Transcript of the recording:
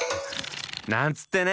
なんつってね！